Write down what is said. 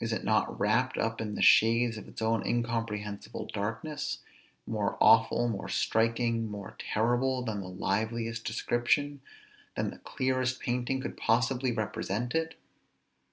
Is it not wrapt up in the shades of its own incomprehensible darkness, more awful, more striking, more terrible, than the liveliest description, than the clearest painting, could possibly represent it?